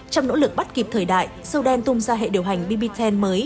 trong nỗ lực bắt kịp thời đại sâu đen tung ra hệ điều hành bb một mươi mới